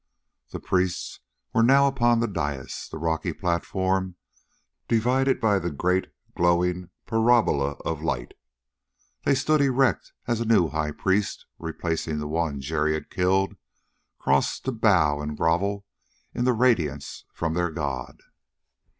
The priests were now upon the dais the rocky platform, divided by the great, glowing parabola of light. They stood erect as a new high priest, replacing the one Jerry had killed, crossed to bow and grovel in the radiance from their god.